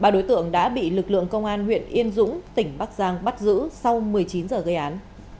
ba đối tượng đã bị lực lượng công an huyện yên dũng tỉnh bắc giang bắt giữ sau một mươi chín giờ gây án